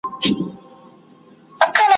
له نارنج ګل له سنځل ګل څخه راغلي عطر ,